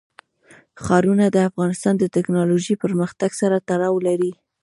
ښارونه د افغانستان د تکنالوژۍ پرمختګ سره تړاو لري.